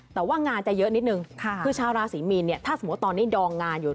แต่ว่างานจะเยอะนิดนึงคือชาวราศีมีนเนี่ยถ้าสมมุติตอนนี้ดองงานอยู่